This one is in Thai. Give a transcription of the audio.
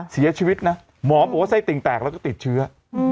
เสียชีวิตนะหมอบอกว่าไส้ติ่งแตกแล้วก็ติดเชื้อ